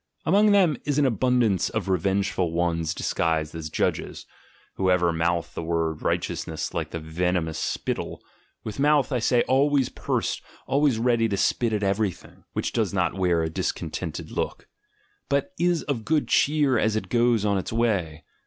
Among them is an abundance of revengeful ones dis guised as judges, who ever mouth the word righteousness like a venomous spittle — with mouth, I say, always pursed, always ready to spit at everything, which does not wear a discontented look, but is of good cheer as it goes on its way.